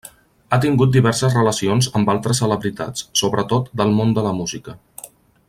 Ha tingut diverses relacions amb altres celebritats, sobretot del món de la música.